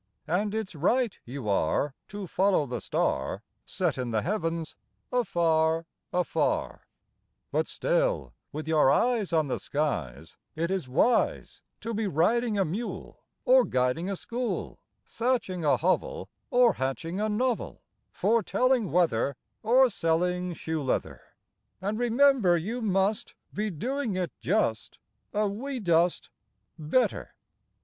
And it's right you are To follow the star, Set in the heavens, afar, afar; But still with your eyes On the skies It is wise To be riding a mule, Or guiding a school, Thatching a hovel Or hatching a novel, Foretelling weather, Or selling shoe leather; And remember you must Be doing it just A wee dust Better.